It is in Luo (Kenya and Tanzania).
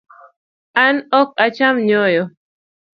An ok acham nyoyo